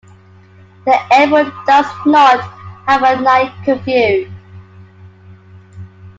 The airport does not have a night curfew.